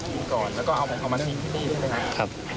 ยิงก่อนแล้วก็เอามาทิ้งที่นี่ได้ไหมครับ